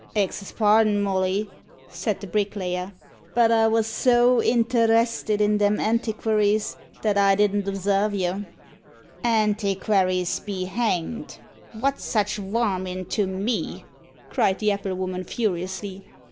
"Axes pardon, Molly," said the bricklayer; "but I was so inter_est_ed in them antiquaries, that I didn't obsarve ye." "Antiquaries be hanged! what's such warmint to me?" cried the applewoman furiously.